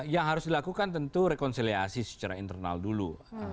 yang harus dilakukan tentu rekonsiliasi secara internal dulu